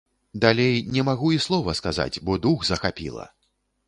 Далей не магу і слова сказаць, бо дух захапіла.